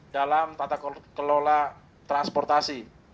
dalam tata kelola transportasi